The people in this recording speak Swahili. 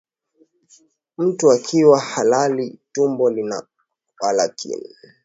Mtu akiwa halali, tumbo lina walakini,